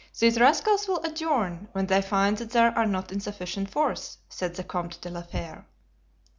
"These rascals will adjourn when they find that they are not in sufficient force," said the Comte de la Fere.